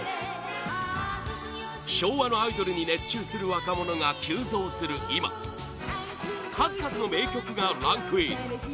昭和のアイドルに熱中する若者が急増する今数々の名曲がランクイン